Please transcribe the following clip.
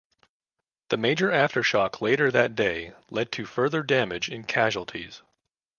The major aftershock later that day led to further damage and casualties.